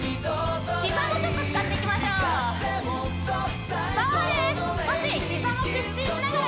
膝もちょっと使っていきましょうそうです